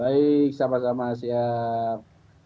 baik sama sama siap